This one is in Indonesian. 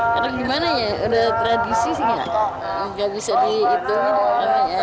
karena gimana ya udah tradisi sih nggak bisa dihitungin